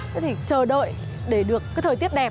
thế thì chờ đợi để được cái thời tiết đẹp